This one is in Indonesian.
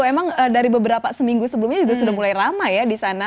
emang dari beberapa seminggu sebelumnya juga sudah mulai ramai ya di sana